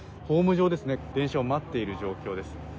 ホーム上、電車を待っている状況です。